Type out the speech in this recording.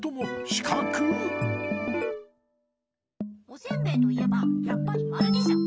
おせんべいといえばやっぱりまるでしょ。